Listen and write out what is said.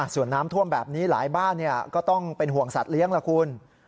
ส่วนน้ำท่วมแบบนี้หลายบ้านก็ต้องเป็นห่วงสัตว์เลี้ยงล่ะคุณ